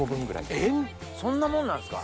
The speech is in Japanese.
えっそんなもんなんすか？